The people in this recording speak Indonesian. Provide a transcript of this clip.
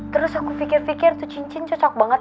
terus aku pikir pikir tuh cincin cocok banget